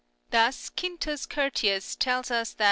Thus Quintus Curtius tells us (Hist.